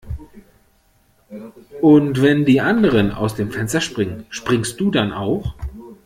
Und wenn die anderen aus dem Fenster springen, springst du dann auch?